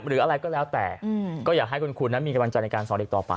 หรืออะไรก็แล้วแต่ก็อยากให้คุณนั้นมีกำลังใจในการสอนเด็กต่อไป